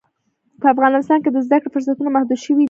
په افغانستان کې د زده کړې فرصتونه محدود شوي دي.